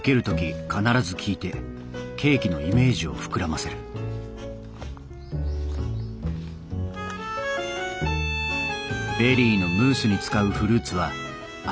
ケーキのイメージを膨らませるベリーのムースに使うフルーツは赤い宝石。